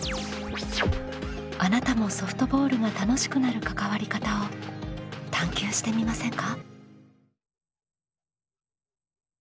あなたもソフトボールが楽しくなる関わり方を探究してみませんか？